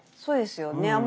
そうですよね。